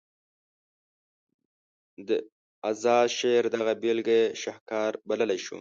د اذاد شعر دغه بیلګه یې شهکار بللی شو.